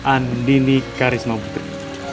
andini karisma putri